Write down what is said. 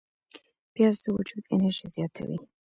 پیاز د وجود انرژي زیاتوي